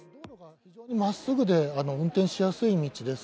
まっすぐで運転しやすい道です。